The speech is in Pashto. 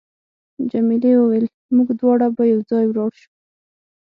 جميلې وويل: موږ دواړه به یو ځای ولاړ شو.